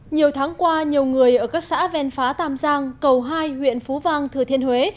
nhiều tháng qua nhiều người ở các xã ven phá tam giang cầu hai huyện phú vang thừa thiên huế